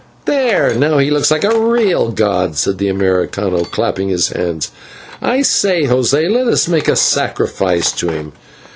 "There, now he looks like a real god," said the /Americano/, clapping his hands; "I say, José, let us make a sacrifice to him.